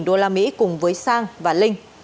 bốn trăm bảy mươi usd cùng với sang và linh